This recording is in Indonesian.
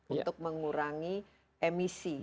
untuk mengurangi emisi